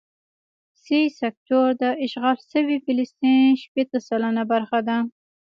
سي سیکټور د اشغال شوي فلسطین شپېته سلنه برخه ده.